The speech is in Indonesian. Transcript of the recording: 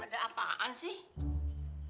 ada apaan sih